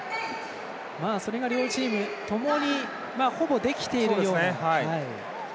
それが両チームともにほぼ、できているような。